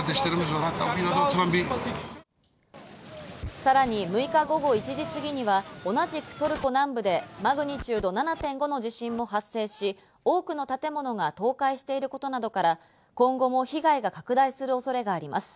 さらに６日午後１時過ぎには同じくトルコ南部でマグニチュード７．５の地震も発生し、多くの建物が倒壊していることなどから、今後も被害が拡大する恐れがあります。